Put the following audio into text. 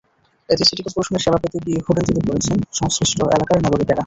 এতে সিটি করপোরেশনের সেবা পেতে গিয়ে ভোগান্তিতে পড়েছেন সংশ্লিষ্ট এলাকার নাগরিকেরা।